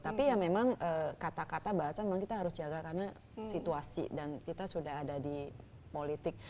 tapi ya memang kata kata bahasa memang kita harus jaga karena situasi dan kita sudah ada di politik